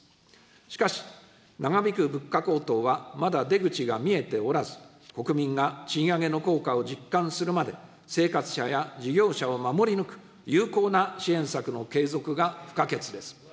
しかし、長引く物価高騰はまだ出口が見えておらず、国民が賃上げの効果を実感するまで、生活者や事業者を守り抜く有効な支援策の継続が不可欠です。